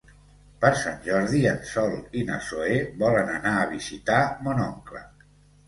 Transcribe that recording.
Per Sant Jordi en Sol i na Zoè volen anar a visitar mon oncle.